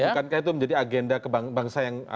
bukankah itu menjadi agenda bangsa yang